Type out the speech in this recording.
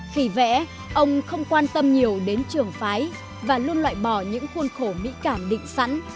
khi vẽ ông không quan tâm nhiều đến trường phái và luôn loại bỏ những khuôn khổ mỹ cảm định sẵn